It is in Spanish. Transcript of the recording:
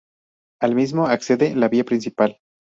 Al mismo accede la vía principal.